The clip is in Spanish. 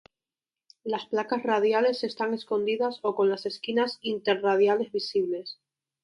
Las placas radiales están escondidas o con las esquinas inter-radiales visibles.